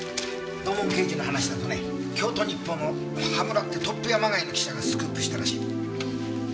土門刑事の話だとね京都日報の羽村ってトップ屋まがいの記者がスクープしたらしい。